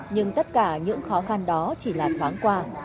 nhưng tất cả những khó khăn đó chỉ là thoáng qua